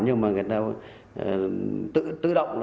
nhưng mà người ta tự động